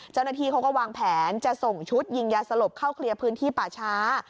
เจ้าหน้าที่เขาก็วางแผนจะส่งชุดยิงยาสลบเข้าเคลียร์พื้นที่ป่าช้า